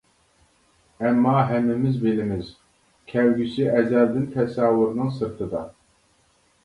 ئەمما ھەممىمىز بىلىمىز، كەلگۈسى ئەزەلدىن تەسەۋۋۇرنىڭ سىرتىدا.